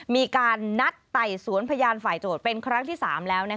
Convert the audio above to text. มีการนัดไต่สวนพยานฝ่ายโจทย์เป็นครั้งที่๓แล้ว